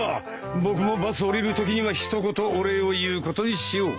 僕もバス降りるときには一言お礼を言うことにしよう。